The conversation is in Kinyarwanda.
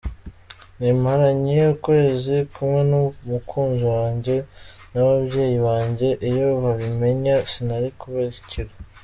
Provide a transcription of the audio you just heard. Nari maranye ukwezi kumwe n’umukunzi wanjye n’ababyeyi banjye iyo babimenya sinari kubakira.